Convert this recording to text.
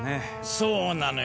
そうなのよ。